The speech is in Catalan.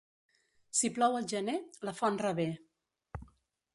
Si plou al gener, la font revé.